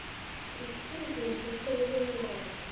— Китсе, ни, бушты һөйләйһеңдер, әй!